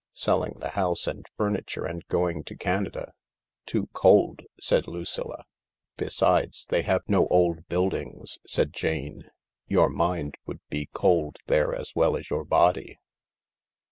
Selling the house and furniture and going to Canada ("Too cold," said Lucilla. " Besides, they have no old buildings," said Jane, " Your mind would be cold there as well as your body